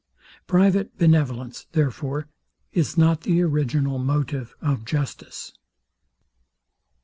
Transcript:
Private benevolence, therefore, is not the original motive of justice.